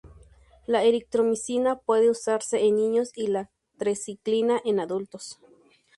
La eritromicina puede usarse en niños, y la tetraciclina en adultos.